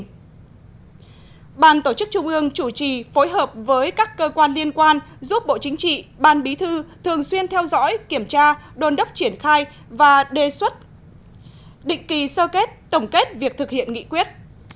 ban tổ chức trung ương chủ trì phối hợp với các cơ quan liên quan giúp bộ chính trị ban bí thư thường xuyên theo dõi kiểm tra đôn đốc triển khai và đề xuất định kỳ sơ kết tổng kết việc thực hiện nghị quyết